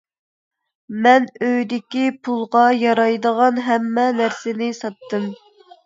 مەن ئۆيدىكى پۇلغا يارايدىغان ھەممە نەرسىنى ساتتىم.